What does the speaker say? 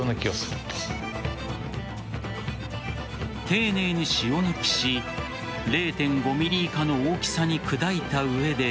丁寧に塩抜きし０．５ｍｍ以下の大きさに砕いた上で。